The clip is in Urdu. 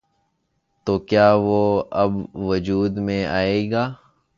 تو کیا وہ اب وجود میں آئے گا؟